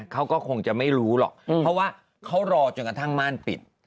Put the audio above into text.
เขาก็คงจะไม่รู้หรอกเพราะว่าเขารอจนกระทั่งม่านปิด